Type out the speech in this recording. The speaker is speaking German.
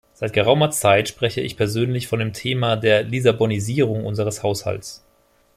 Seit geraumer Zeit spreche ich persönlich von dem Thema der "Lissabonisierung" unseres Haushalts.